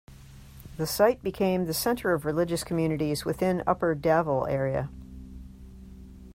The site became the center of religious communities within Upper Davle area.